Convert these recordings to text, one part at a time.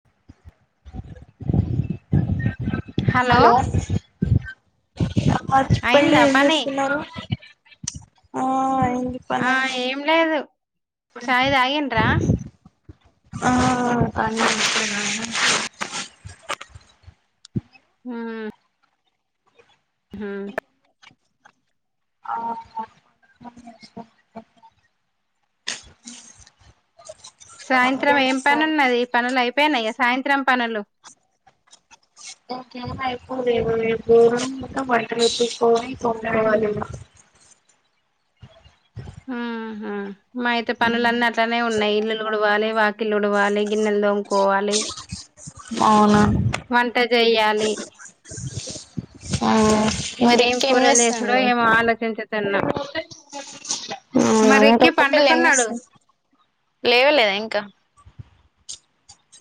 [inaudible] hello మ చెప్పిలి అయిందా ఏం పని చేస్తున్నారు ఆ అయింది పని ఆ అయింది ఏం లేదు ఇప్పుడే చాయ్ తాగిండ్రా ఆ [inaudible] [inaudible] హ ఆఓ [unintelligible] సాయంత్రం మీరేం ఏం చేస్తారు పనున్నది ఈ పనులు అయిపోయినాయ సాయంత్రం పనులు ఇంకేం అయిపోలేదు [inaudible] ఉహు మాయి అయితే పనులన్నీ అట్లానే ఉన్నాయి ఇల్లులు ఉడువాలి వాకిల్లుడువాలి గిన్నెలు తోముకోవాలి అవున వంట చేయ్యాలి ఆ మరి ఏం అక్క కూరల్ చేసుడో చేస్తుండు ఏమో ఆలోచించ దన్నా అవునా మ రిక్కీ పండుకున్నాడు లేవ లేదా ఇంకా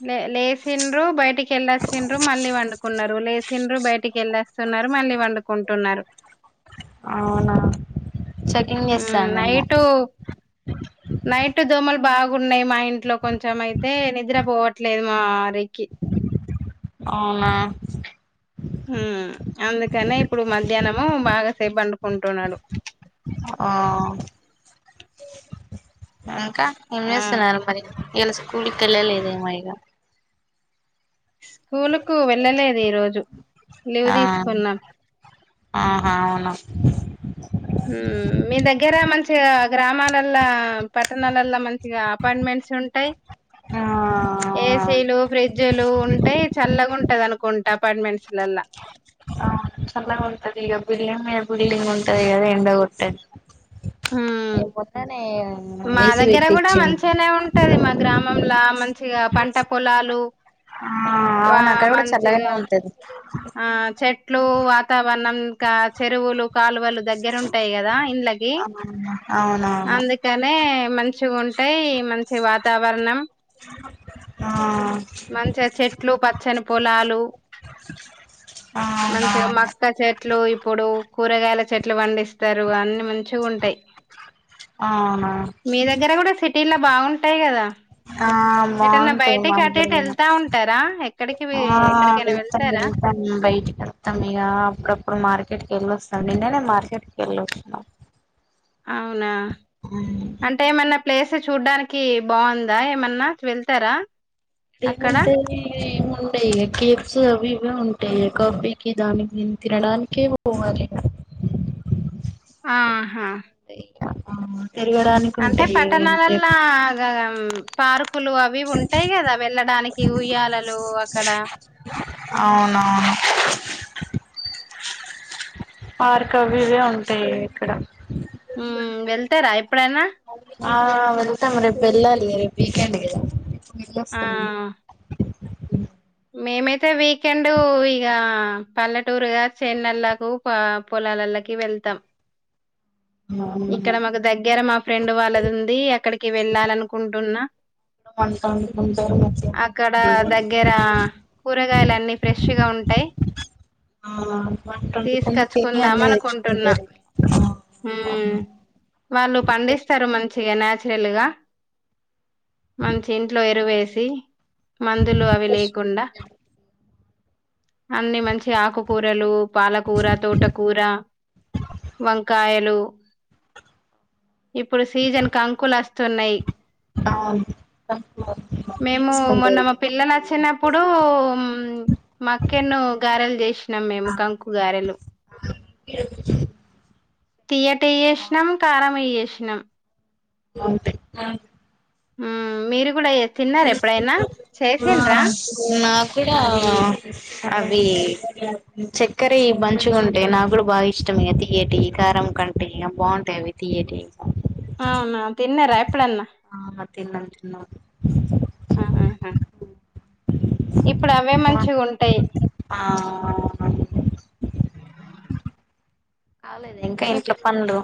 లే లేచిండ్రు బయటికి వెళ్ళచ్చిండ్రు మళ్ళీ వండుకున్నారు లేచిండ్రు బయటికి వెళ్ళేస్తున్నారు నరు మళ్ళీ పండుకుంటున్నారు అవునా చెకింగ్ మ్ చేస్తాందేమో నైటు నైట్ దోమలు బాగున్నాయి మా ఇ ఇంట్లో కొంచం అయితే నిద్రపోవట్లేదు మా రి కి అవునా ఉమ్ అందుకనే ఇప్పుడు మధ్యాహ్నము బాగాసేపు పండుకుంటున్నాడు ఆ ఇంకా ఏం ఆ చేస్తున్నారు మరి ఇయల స్కూల్ కి వెళ్ళలేదేమో ఇగ స్కూలుకు వెళ్ళలేదు ఈరోజు లీవ్ ఆ తీసుకున్నాం ఆహా అవును మీ దగ్గర మంచి మంచిగా గ్రామాలల్లా పట్టణాలల్లో మంచిగా అపార్ట్మెంట్స్ ఉంటాయి ఆ ఏసీలు ఫ్రిజ్ లు ఉంటాయి చల్లగా ఉం టదనుకుంట అపార్ట్మెంట్స్ లల్ల అవును చల్లగుంటదిగా ఈ బిల్డింగ్ బిల్డింగ్ ఉంటది కదా ఎండ కొట్టది హ్మ్ ఏ మొన్నానే మా ఏసి దగ్గర కూడా పెట్టిచ్చిళ్ళు మంచిగానే ఉంటది మా గ్రామంలా మంచిగా పంట పొలాలు ఆ అవును అక్కడ కూడా చల్లగనే ఉంటది ఆ చెట్లు వాతావరణం ఇంకా చెరువులు కాలువలు దగ్గర ఉంటాయి కదా ఇండ్లకి ఆ అవునవును అందుకనే మంచిగుంటయ్ మంచి వాతావరణం ఆ మంచిగా చెట్లు పచ్చని పొలాలు మంచిగా అవునవును మక్క చె ట్లు ఇప్పుడు కూరగాయల చెట్లు పండిస్తారు అన్ని మంచిగుంటాయ్ అవునా సిటీల బాగుంటాయి కదా ఆ ఎటన్నా బాగుంటాయి మా బయటకి అటేటు దగ్గరున్న వెళ్తా ఉంటారా ఎక్కడికి ఎక్కడికైనా వెళ్తారా ఎటైనా బయటికలా మొత్తం ఇగ అప్పుడప్పుడు మార్కెట్ వెళ్ళి వస్తాం నిన్నేనే మార్కెట్ కి వెళ్ళి వస్తున్నాం అవునా అవును అంటే ఏమన్నా ప్లేస్ చూడ్డానికి బాగుందా ఏమన్నా వెళ్తారా డి అక్కడ మన్స్ ఏముండయి కేప్స్ అవి ఇవే ఉం అంటే కాఫీకి దానికి తినడానికే పోవాలి ఆహా ఆ తిరగడానికి అంటే ఉంటాయి ఏవైన పట్టణాలల్లా గ పార్కులు అవి ఉంటాయి కదా వెళ్ళడానికి ఉయ్యాలలు అక్కడ అవునవును పార్కు అవి ఇవి ఉంటాయి ఇక్కడ మ్ వెళ్తారా ఎప్పుడైనా ఆ వెళ్తాం రేపు వెళ్లాలిగ రేపు వీకెండ్ గద ఆ వెళ్ళొస్తాం మేమైతే వీకెండ్ ఇగ పల్లెటూరుగా చెన్లన్నకు పొల పోలాలల్లోకి వెళ్తాం అ ఇక్కడ మాకు దగ్గర మా ఫ్రెండ్ వాళ్ళది ఉంది అక్కడికి వెళ్ళాల అనుకుంటున్నా వెళ్తాము అందరం అట్ల ఇ కూరగాయలు అన్ని ఫ్రెష్గా ఉంటాయి ఆ వంట వండుకొని తిని తీసుకచ్చుకుందాం అన్ని అనుకుంటున్నా తెచ్చుకుంటారు హ వాళ్ళు ఫ్రెష్ పండిస్తారు వెజిటేబుల్స్ మంచిగా నాచురల్ గా మంచి ఇంట్లో ఎరువేసి మందులు అవి ఫ్రెష్ లేకుండా అన్ని మంచి ఆకుకూరలు పాలకూర తోటకూర వంకాయలు ఇప్పుడు సీజన్ కంకులు వస్తున్నాయి అవును [unintelligible] అప్పుడు మాక్కెన్ను గారెలు చేసినాం మేము కంకు గారెలు [inaudible] తియ్యటి చేసినం కారం చేసినం [unintelligible] ఆ మీరు కూడా తిన్నార ఎప్పుడైనా ఆ చేసిండ్రా నా కూడా అవి చక్కర మంచిగుంటై నాకు కూడా బాగా ఇష్టం ఇక తియ్యటి కారం కంటే ఏం బాగుంటాయి అవి తీయటి అవునా తిన్నారా ఎప్పుడన్నా ఆ తిన్నాం తిన్నాం ఆహా, ఇప్పుడు అవే మంచిగా ఉంటాయి [unintelligible] ఆ కాలేదా ఇంకా ఇంట్ల పనులు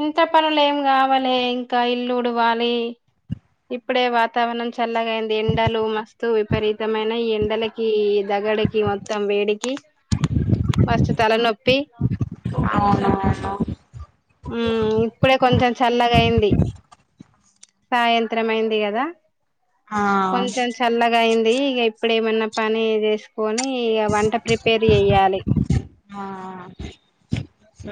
ఇంట్లో పనులు ఏం కావాలి ఇంకా ఇల్లూడువాలే ఇప్పుడే వాతావరణం చల్లగా అయింది ఎండలు మస్తు విపరీతమైన ఈ ఎండలకి ఈ దగడికి మొత్తం వేడికి మస్తు తలనొప్పి అవునువును ఉ ఇప్పుడే కొంచెం చల్లగా అయింది సాయంత్రం అయింది కదా ఆ కొంచెం చల్లగా అయింది ఇక ఇప్పుడ ఏమన్నా పని చేసుకో కొని వంట ప్రిపేర్ చెయాలి ఆ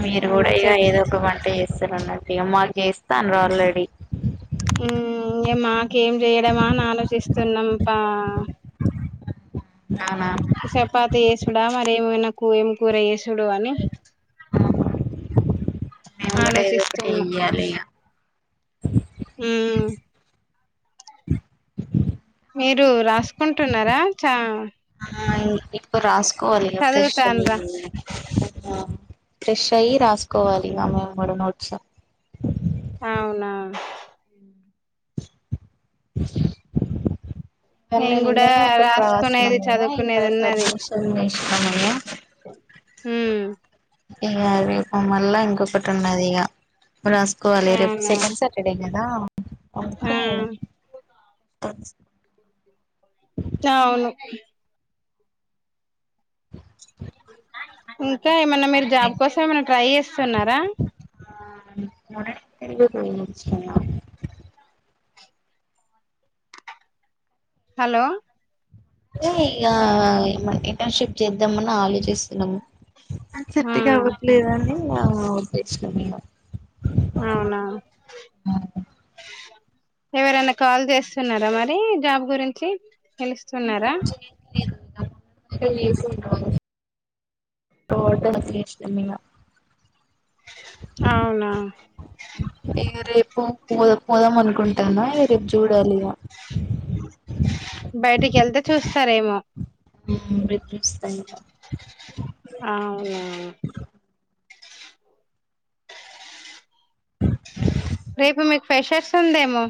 మీరు కూడా ఇక ఏదో ఒక వంట చేస్తూనే ఉన్నారు ఇక మాకు చేస్తాండ్రు ఆల్రెడీ ఇం మాకేం చేయడమా అని ఆలోచిస్తున్నాం పా అవునా చపాతి చేసుడా మరేమ నాకు ఏమి కూర చేసు చుడువని మేము కూడా ఏదో ఒకటి ఆలోచిస్తున్నా ఎయ్యాలి ఇగ ఉమ్ మీరు రాసుకుంటున్నారా చా ఆ ఇప్పుడు రాసుకోవాలి ఫ్రెష్ చదువుతాను అయ్యి రా ఫ్రెష్ అయి రాసుకోవాలి మా మేము కూడా నోట్స్ అవునా ఇవాళ నేను కూడా నిన్ననే ఒకటి రాసుకునేది రాసినం చదువుకునేది కదా [unintelligible] హ ఏం కాదు రేపు మల్ల ఇంకొకటి ఉన్నదిగా రాసుకోవాలి రేపు అవునా సెకండ్ సాటర్డే కదా ఉమ్ చవును ఇంకా మీకు ఏమన్నా మీరు జాబ్ హాలిడేనే కోసం ఏమన్నా ట్రై చేస్తున్నారా ఏళ్ళు పొయ్యి వచ్చినం హలో ఇక ఇంటర్న్షిప్ చేద్దామని ఆలోచిస్తున్నాము చెట్ ఉమ్ కావట్లేదు అని ఉద్దేశం ఇక అవునా ఎవరైనా కాల్ చేస్తున్నారా మరి జాబ్ గురించి పిలుస్తున్నారా [unintelligible] ఇష్టమిగా అవునా పో పోదాం అనుకుంటానా రేపు చూడాలి బయటికి వెళ్తే చూస్తారేమో బతిస్తాయి ఆ అవునా రేపు మీకు ఫ్రెషర్స్ ఉందేమో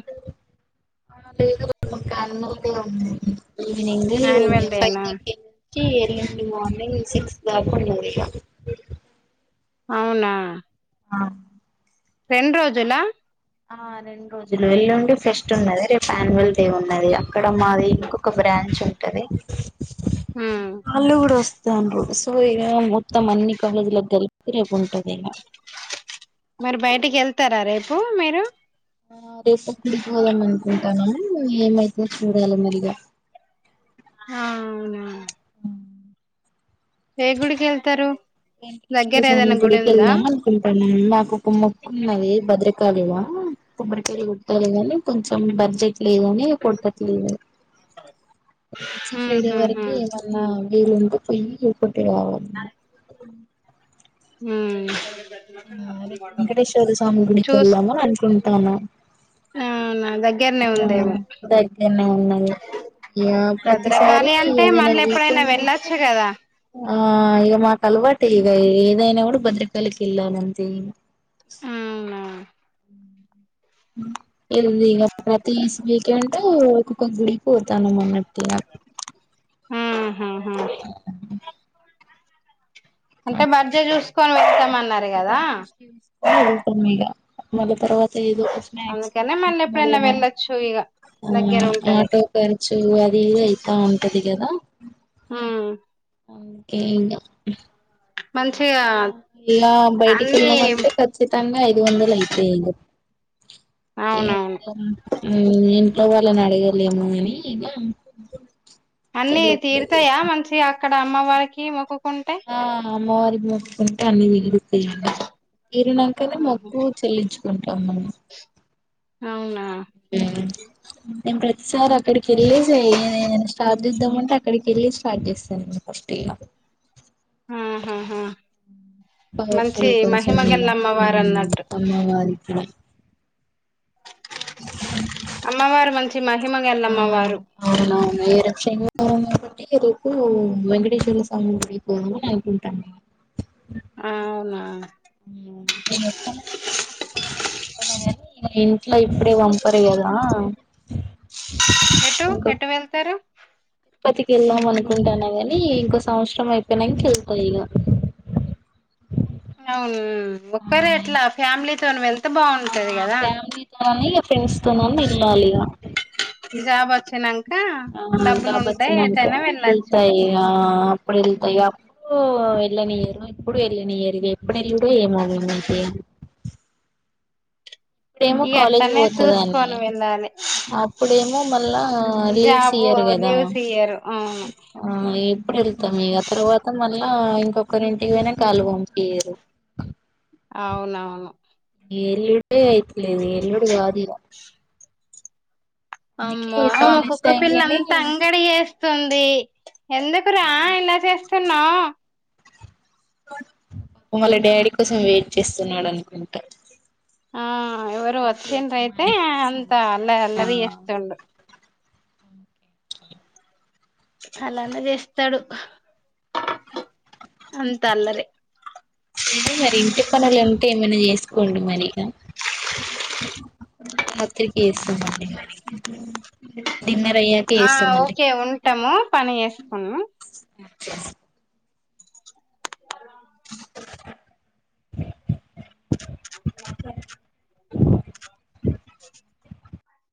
ఆ లే కన్నూ ఉన్నాయి ఈవనింగ్ యాన్యువల్ ఫైవ్ డేనా థర్టీ నుంచి ఎల్లెండు మార్నింగ్ సిక్స్ దాప ఉన్నదిగ అవునా ఆ రెం రోజులా ఆ రెండు రోజులు వెల్లుండి ఫెస్ట్ ఉన్నది రేపు యాన్యువల్ డే ఉన్నది అక్కడ మాది ఇంకొక బ ంచ్ ఉంటది ఉమ్ వాళ్ళు కూడా వ అది సో ఇ మొత్తం మన్ని కాలేజీల్లకి గలిపి రెపు ఉంటది ఇలా మరి బయటికి వెళ్తారా రేపు మీరు ఆ రేప గుడికి పొదం అనుకుంటాన ఏమైతే చూడాలి మరిగా అ అవునా ఆ ఎ గుడికి వెళ్తారు దగ్గర వెంకటేశ్వర స్వామి ఏదైనా గుడి గుడికి ఉందా వెళ్దాం అనుకుంటున్నా నాకు ఒక మొక్క ఉన్నది భద్ర కాళిల కొబ్బరికాయలు కోట్టాలి కానీ కొంచెం బర్జట్ లేదని కొట్టట్లేదు వచ్చే ఫ్రైడే ఉహుహు వరకు ఏమన్నా వీలుంకపోయికుంట రా అ హ ఆ రేపు వెంకటేశ్వర స్వామి గుడికి చూస్ వెళ్దామని అనుకుంటన అవునా దగ్గరనే ఆ ఉందేమో దగ్గరనే ఉన్నాయి ఆ ప్రతిసారి భద్రకాళి అంటే ఏదైనా మళ్ళీ ఎప్పుడైనా వీకెండ్ ఉంటే వెళ్ళొచ్చు కదా ఆ ఇ మా కలవాట ఇ అదైనా కూడా భద్రకాాలకి వెళ్ళాలి అంతే ఇగ అవునా ఎందిగా ప్రతిస్ వీకెండు ఒక్కొక్కొక్క గుడి పోతానం అన్నట్టు ప్ ఆహా ఆ అంటే మంచ బర్జే చూసుకొని వెళ్తామన్నారు ఇగ కదా గెలుస్తాం ఇగ మళ్ళీ తర్వాత ఏదో ఒక స్నాక్స్ అందుకనే మళ్ళీ ఎప్పుడైనా మళ్ళా వెళ్ళొచ్చు ఇగ దగ్గర ఆ ఉంటది ఆటో ఖర్చు అది ఇది అయితా ఉంటది కదా ఆ ఒకే ఇంగ హు మంచి ఇలా బయటికి వెళ్ళావంటే ఖచ్చితంగా ఐదు వందలు అయితేయిం ఏం అవునవును పర్ల ఊ మోగవాళ్ళని అడగిలేము అని ఇగ అన్ని వెళ్ళట్లేదు ఇగ తీరుతాయా మంచి అక్కడ అమ్మవారికి మొక్కుకుంటే అమ్మవారికి మెుక్కుకుంటే అన్ని మిగులు తీరిందా తీరినాంకనే మెుక్కు చెల్లించుకుంటాం మనం అవునా నేను ప్రతిసారి అక్కడికి ఎళ్ళిసే ఏదైన స్టార్ట్ జేద్దామంటే అక్కడికి వెళ్ళి స్టార్ట్ చేస్తాను ఫస్ట్ ఇలా ఆహాహా మంచి పవర్ఫుల్ కొంచెం ఇగ మహిమగల అమ్మవారు ఉమ్ అన్నట్టు అమ్మవారి [inaudible] అమ్మవారు మంచి మహిమగల అమ్మవారు ఆ ఒక్కటి రేపు వెంకటేశ్వర స్వామి గుడికి పోదాము అని అనుకుంటన్న ఆ అవునా [unintelligible] తిరుపతికి బోదాం అనుకుంటన్నా గాని ఇంట్లో ఇప్పుడే పంపరు గదా ఎటూ ఎటు వెళ్తారు తిరుపతికి ఎళ్దాం అనుకుంటాన్నా గాని ఇంకో సంవత్సరం అయిపోయినంక ఎల్త ఇగ [inaudible] అవున్ ఒక్కరే ఎట్లా ఫ్యామిలీతోను వెళ్ త్తే బావుంటది ఆ గదా ఫ్యామిలీతోని ఇగ ఫ్రెండ్స్ తో నన్న ఎల్లాలిగా జాబ్ వచ్చినంక ఆ డబ్బులు ఉంటే జాబొచ్చినంక ఎటైనా వెళ్ళచ్చు ఎల్తా ఇగ అ వెళ్తా ఇగ ఓ వెళ్ళనియరు ఇప్పుడు ఎళ్ళనియరు ఇగ ఎప్పుడు వెళ్ళుడో ఏమో మేంమైతే [inaudible] ఇప్పుడేమో ఇగ కాలేజ్ అట్లనే వోతాదని చూసుకొని వెళ్ళాలి అప్పుడేమో మళ్ళా లీవ్స్ జాబు ఇయ్యరు గదా లీవ్స్ ఇయ్యరు అవును ఆ ఇ ఎప్పుడు ఎళ్తామిగ ఆ తర్వాత మళ్ళా ఇంకొకరింటికి పోయినాంక వాళ్ళు పంపియరు అవునావును ఎల్లుడే అయిట్లేదు ఎల్లండు గాదు ఇగ అందుకే అమ్మా మా కాలేజ్ కుక్క టైమ్ పిల్ల లోనే అంతా అంగడి చేస్తుంది ఎందుకురా ఇలా చేస్తున్నావ్ వాళ్ళ డాడీ కోసం వెయిట్ చేస్తున్నాడు అనుకుంటా ఆ ఎవరో ఇంటి వచ్చిండ్ర అయితే యజమాని కోసం అంతా అల్లరి అల్లరి చేస్తుండు అలానే జేస్తాడు అంతా అల్లరి సరే మరీ ఇంటి పనులు ఉంటే ఏమైనా జేసుకోండి మరి ఇక రాత్రికి ఎసామండి తిన్నప్ ఆ ఓకే ఉంటాము పని చేసుకును ఆ చేస్